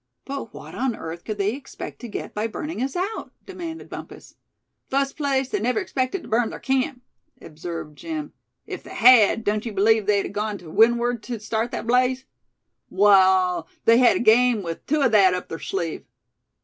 "But what on earth could they expect to get by burning us out?" demanded Bumpus. "Fust place they never oxpected tew burn ther camp," observed Jim; "ef they hed, doan't yew believe they'd agone tew windward tew start thet blaze? Wall, they hed a game wuth tew o' thet up ther sleeve."